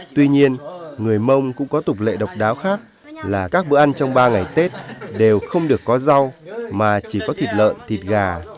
tuy nhiên người mông cũng có tục lệ độc đáo khác là các bữa ăn trong ba ngày tết đều không được có rau mà chỉ có thịt lợn thịt gà